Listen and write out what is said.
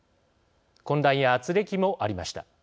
混乱やあつれきもありました。